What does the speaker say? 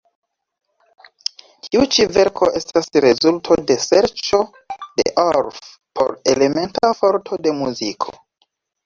Tiu ĉi verko estas rezulto de serĉo de Orff por elementa forto de muziko.